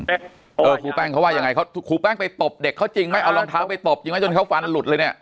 เออครูแป้งเขาว่ายังไงเขาครูแป้งไปตบเด็กเขาจริงไหมเอารองเท้าไปตบจริงไหมจนเขาฟันหลุดเลยเนี่ย